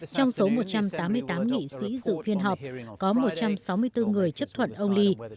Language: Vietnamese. trong số một trăm tám mươi tám nghị sĩ dự phiên họp có một trăm sáu mươi bốn người chấp thuận ông lee